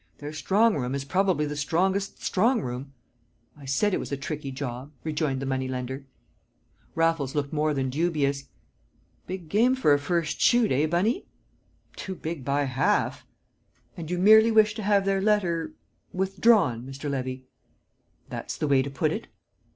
"Their strong room is probably the strongest strong room!" "I said it was a tricky job," rejoined the moneylender. Raffles looked more than dubious. "Big game for a first shoot, eh, Bunny?" "Too big by half." "And you merely wish to have their letter withdrawn, Mr. Levy?" "That's the way to put it."